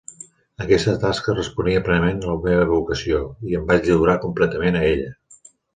Aquesta tasca responia plenament a la meva vocació, i em vaig lliurar completament a ella.